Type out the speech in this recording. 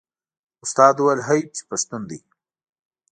استاد وویل حیف چې پښتون دی.